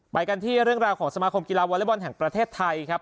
ไปกันที่เรื่องราวของสมาคมกีฬาวอเล็กบอลแห่งประเทศไทยครับ